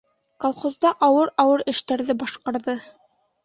Колхозда ауыр-ауыр эштәрҙе башҡарҙы.